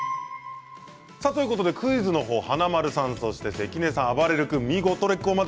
クイズ、華丸さんそして関根さん、あばれる君見事レッグウォーマー